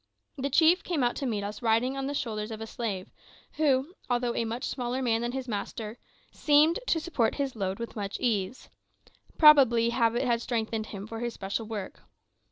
The chief came out to meet us riding on the shoulders of a slave, who, although a much smaller man than his master, seemed to support his load with much case. Probably habit had strengthened him for his special work.